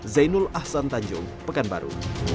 zainul ahsan tanjung pekanbaru